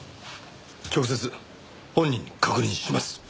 直接本人に確認します！